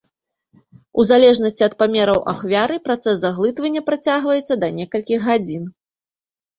У залежнасці ад памераў ахвяры працэс заглытвання працягваецца да некалькіх гадзін.